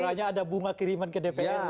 ya kalau ada bunga kiriman ke dpr